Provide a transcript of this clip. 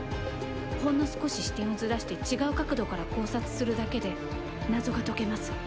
ほんの少し視点をずらして違う角度から考察するだけで謎が解けます。